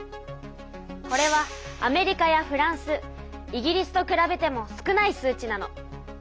これはアメリカやフランスイギリスとくらべても少ない数ちなの。